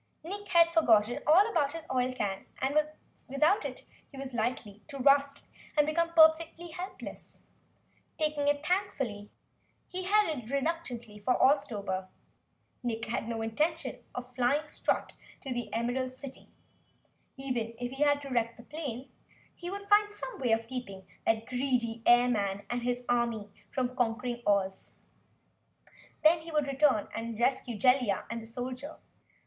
Nick had forgotten all about his oil can and without it he was likely to rust and become perfectly helpless. Taking it thankfully from the messenger, he hung it on a hook beneath his arm and headed reluctantly for the Oztober. Nick had no intention of flying Strut to the Emerald City. Even if he had to wreck the plane, he would find some way to keep the greedy airman and his legions from conquering Oz. Then he would return and rescue Jellia and the soldier.